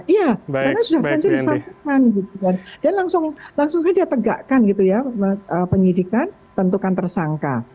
iya karena sudah tentu disampaikan dan langsung saja tegakkan gitu ya penyidikan tentukan tersangka